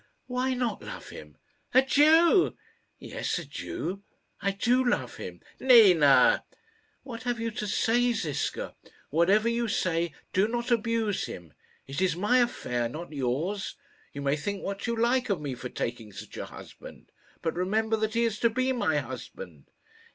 "Why not love him?" "A Jew!" "Yes a Jew! I do love him." "Nina!" "What have you to say, Ziska? Whatever you say, do not abuse him. It is my affair, not yours. You may think what you like of me for taking such a husband, but remember that he is to be my husband."